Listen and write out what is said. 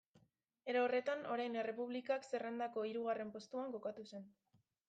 Era horretan, Orain Errepublikak zerrendako hirugarren postuan kokatu zen.